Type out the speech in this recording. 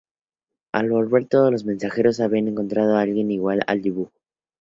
Al volver, todos los mensajeros habían encontrado a alguien igual al dibujo.